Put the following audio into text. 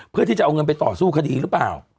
เพื่อที่จะเอาเงินไปต่อสู้คดีหรือเปล่า